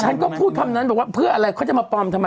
ฉันก็พูดคำนั้นบอกว่าเพื่ออะไรเขาจะมาปลอมทำไม